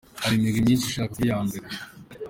Hari imigwi myinshi ishaka kuba iya mbere.